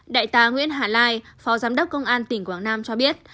đại tá nguyễn hà lai phó giám đốc công an tỉnh quảng nam cho biết